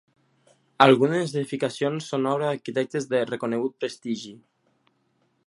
Algunes edificacions són obra d'arquitectes de reconegut prestigi.